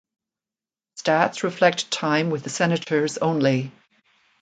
Stats reflect time with the Senators only.